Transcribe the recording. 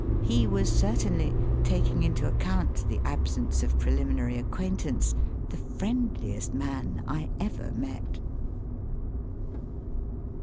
He was certainly, taking into account the absence of preliminary acquaint ance, the friendKest man I ever met.